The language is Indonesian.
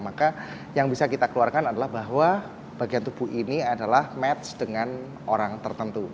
maka yang bisa kita keluarkan adalah bahwa bagian tubuh ini adalah match dengan orang tertentu